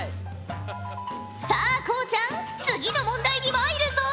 さあこうちゃん次の問題にまいるぞ！